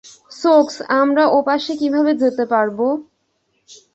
সোকস, আমরা ওপাশে কিভাবে যেতে পারবো?